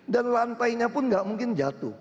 dan lantainya pun tidak mungkin jatuh